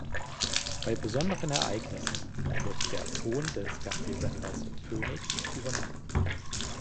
Bei besonderen Ereignissen wird der Ton des Fernsehsenders Phoenix übernommen.